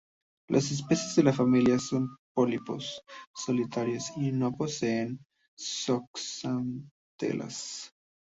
Las especies de la familia son pólipos solitarios, y no poseen zooxantelas.